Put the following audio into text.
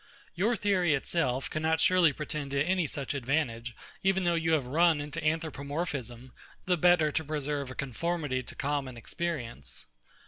Your theory itself cannot surely pretend to any such advantage, even though you have run into Anthropomorphism, the better to preserve a conformity to common experience.